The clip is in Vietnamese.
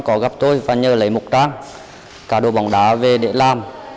có gặp tôi và nhờ lấy một trang cá đồ bóng đá về để làm